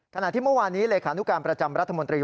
ขณะที่เมื่อวานนี้เลขานุการประจำรัฐมนตรี